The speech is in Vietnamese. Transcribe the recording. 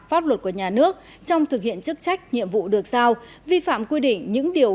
pháp luật của nhà nước trong thực hiện chức trách nhiệm vụ được sao vi phạm quy định những điều